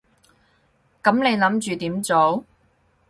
噉你諗住點做？